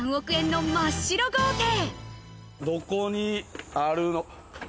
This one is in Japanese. どこにあるの。